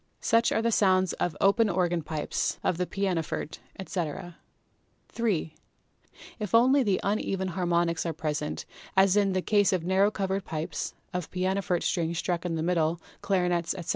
Such are the sounds of open organ pipes, of the pianoforte, etc. 128 PHYSICS 3. If only the uneven harmonics are present, as in the case of narrow covered pipes, of pianoforte strings struck in the middle, clarinets, etc.